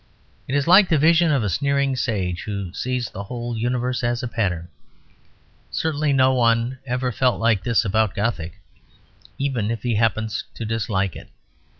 It is like the vision of a sneering sage, who sees the whole universe as a pattern. Certainly no one ever felt like this about Gothic, even if he happens to dislike it.